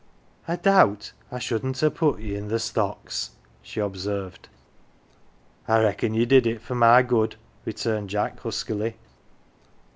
" I doubt I shouldn't ha' put ye i' th' stocks," she observed. " I reckon ye did it for my good," returned Jack, huskily.